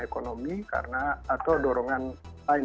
ekonomi karena atau dorongan lain